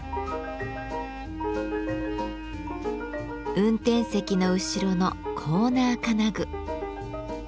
運転席の後ろのコーナー金具。